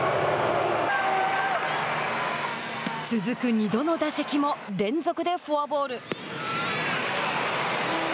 続く２度の打席も連続でフォアボール。